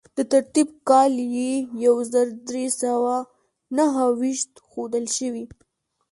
د ترتیب کال یې یو زر درې سوه نهه ویشت ښودل شوی.